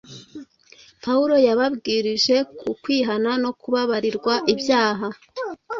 Pawulo yababwirije ku kwihana no kubabarirwa ibyaha